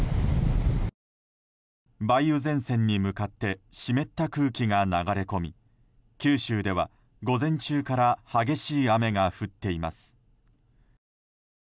梅雨前線に向かって湿った空気が流れ込み九州では午前中から激しい雨が降っています。